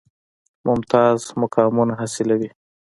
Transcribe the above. ممتاز مقامونه حاصلوي.